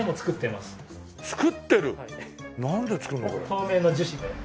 透明の樹脂で。